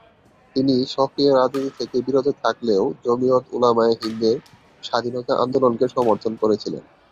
তিনি সক্রিয় রাজনীতি থেকে বিরত থাকলেও জমিয়ত উলামায়ে হিন্দের স্বাধীনতা আন্দোলনকে সমর্থন করেছিলেন।